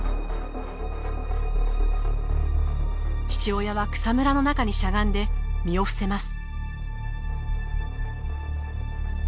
父親は草むらの中にしゃがんで身を伏せます。